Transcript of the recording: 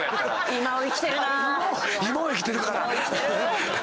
今を生きてるから。